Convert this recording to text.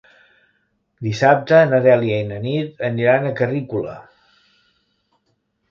Dissabte na Dèlia i na Nit aniran a Carrícola.